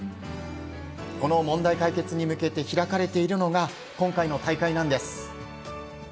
この問題解決に向けて開かれているのが今回の大会なんです。